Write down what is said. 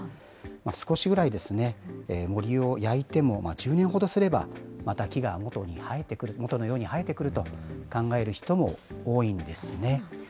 少しぐらい森を焼いても１０年ほどすれば、また木が元のように生えてくると考える人も多いんですね。